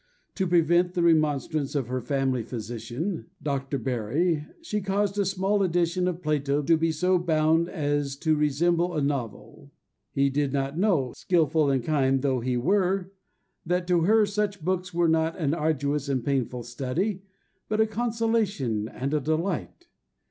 To prevent the remonstrance of her friendly physician, Dr. Barry, she caused a small edition of Plato to be so bound as to resemble a novel. He did not know, skilful and kind though he were, that to her such books were not an arduous and painful study, but a consolation and a delight."